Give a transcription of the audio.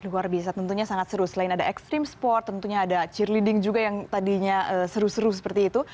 luar biasa tentunya sangat seru selain ada extreme sport tentunya ada cheer leading juga yang tadinya seru seru seperti itu